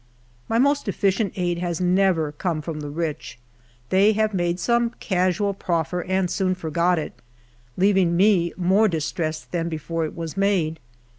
My most efficient aid has never come from the rich ; they have made some casual proffer, and soon forgot it, leaving me more distressed than before it was made.